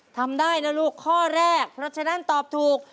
ทำได้นะลูกข้อแรกเพราะฉะนั้นตอบถูก